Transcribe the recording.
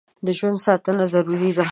د ژوند ساتنه ضروري ده.